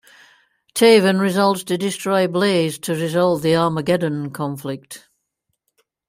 Taven resolves to destroy Blaze to resolve the Armageddon conflict.